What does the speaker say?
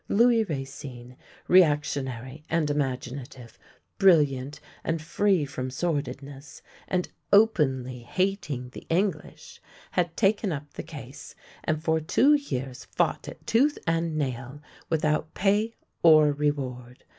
Louis Racine, reactionary and imaginative, brilliant and free from sordidness, and openly hating the English, had taken up the case, and for two years fought it tooth and nail without pay or reward.